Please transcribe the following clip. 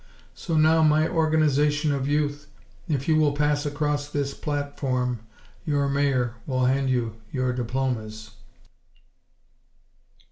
So now, my Organization of Youth, if you will pass across this platform, your Mayor will hand you your diplomas."